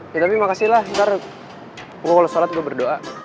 ya tapi makasih lah ntar gua kalo sholat gua berdoa